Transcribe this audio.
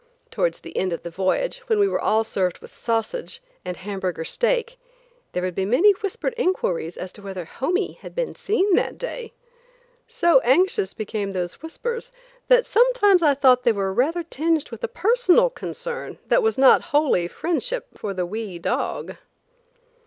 Towards the end of the voyage, when we were all served with sausage and Hamburger steak, there would be many whispered inquiries as to whether "Homie" had been seen that day. So anxious became those whispers that sometimes I thought they were rather tinged with a personal concern that was not wholly friendship for the wee dog.